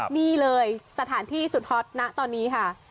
นี่เลยสถานที่สุดฮอตณตอนนี้ค่ะ